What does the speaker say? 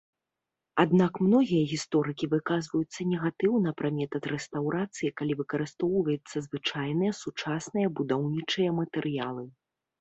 Аднак многія гісторыкі выказваюцца негатыўна пра метад рэстаўрацыі, калі выкарыстоўваюцца звычайныя сучасныя будаўнічыя матэрыялы.